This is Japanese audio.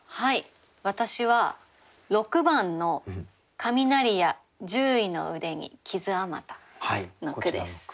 私は６番の「雷や獣医の腕に傷あまた」の句です。